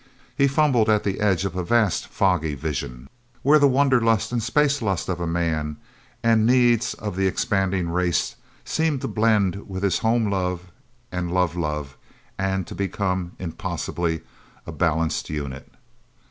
He fumbled at the edge of a vast, foggy vision, where the wanderlust and spacelust of a man, and needs of the expanding race, seemed to blend with his home love and love love, and to become, impossibly, a balanced unit...